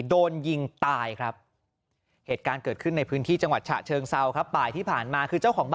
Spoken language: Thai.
โดนยิงตายครับรักเหตุการณ์เกิดขึ้นในพื้นที่จังหวัดฉะเชิง